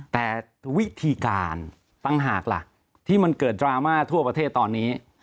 แต่วิธีการต่างหากล่ะที่มันเกิดดราม่าทั่วประเทศตอนนี้